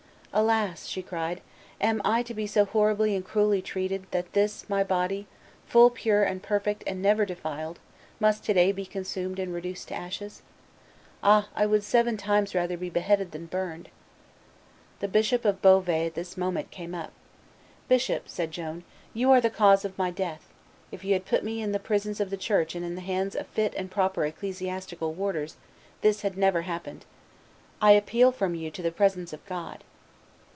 "Alas!" she cried, "am I to be so horribly and cruelly treated that this my body, full pure and perfect and never defiled, must to day be consumed and reduced to ashes! Ah! I would seven times rather be beheaded than burned!" The Bishop of Beauvais at this moment came up. "Bishop," said Joan, "you are the cause of my death; if you had put me in the prisons of the Church and in the hands of fit and proper ecclesiastical warders, this had never happened; I appeal from you to the presence of God."